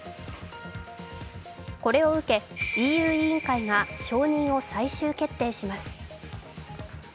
これを受け、ＥＵ委員会が承認を最終決定します。